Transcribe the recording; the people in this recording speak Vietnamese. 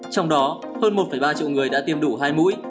trong đó hơn một ba triệu người đã tiêm đủ hai mũi